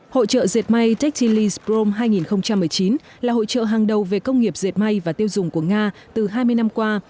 hội trợ diệt may techtilis prom hai nghìn một mươi chín là hội trợ hàng đầu về công nghiệp dệt may và tiêu dùng của nga từ hai mươi năm qua